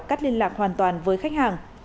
cắt liên lạc hoàn toàn với khách hàng